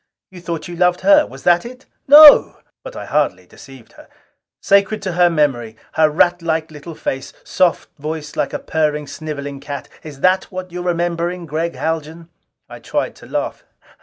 You thought you loved her! Was that it?" "No!" But I hardly deceived her. "Sacred to her memory! Her ratlike little face, soft voice like a purring, sniveling cat! Is that what you're remembering, Gregg Haljan?" I tried to laugh.